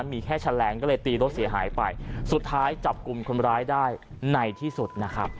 มีแค่แฉลงก็เลยตีรถเสียหายไปสุดท้ายจับกลุ่มคนร้ายได้ในที่สุดนะครับ